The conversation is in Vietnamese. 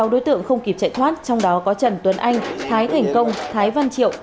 sáu đối tượng không kịp chạy thoát trong đó có trần tuấn anh thái thành công thái văn triệu